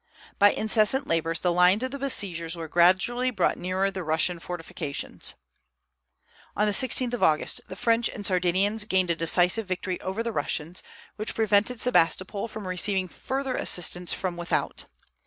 By incessant labors the lines of the besiegers were gradually brought nearer the Russian fortifications. On the 16th of August the French and Sardinians gained a decisive victory over the Russians, which prevented Sebastopol from receiving further assistance from without.